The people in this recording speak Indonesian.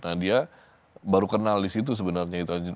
nah dia baru kenal disitu sebenarnya gitu kan